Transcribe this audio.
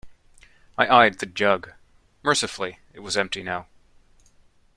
I eyed the jug. Mercifully, it was empty now.